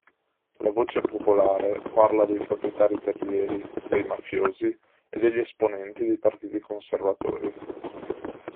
La voce popolare parla dei proprietari terrieri, dei mafiosi e degli esponenti dei partiti conservatori.